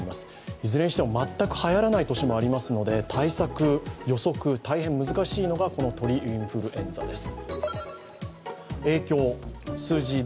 いずれにしても全くはやらない年もありますし対策、予測、大変難しいのがこの鳥インフルエンザです。